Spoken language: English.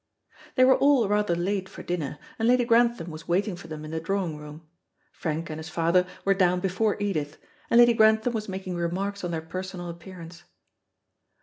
They were all rather late for dinner, and Lady Grantham was waiting for them in the drawing room. Frank and his father were down before Edith, and Lady Grantham was making remarks on their personal appearance.